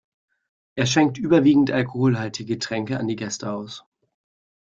Er schenkt überwiegend alkoholhaltige Getränke an die Gäste aus.